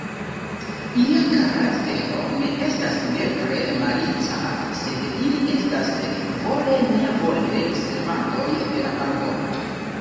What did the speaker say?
Ilia karaktero ne estas nepre malica, sed ili estas vole-nevole servantoj de la malbono.